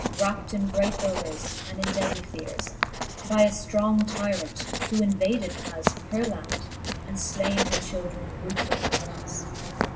Wrapt in great dolours and in deadly feares, By a ftrong tyrant, who invaded has Her land, and flaine her children ruefully alas